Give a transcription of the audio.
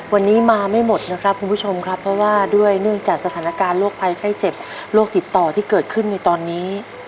วันนี้มาไม่หมดนะครับคุณผู้ชมครับเพราะว่าด้วยเนื่องจากสถานการณ์โรคภัยไข้เจ็บโรคติดต่อที่เกิดขึ้นในตอนนี้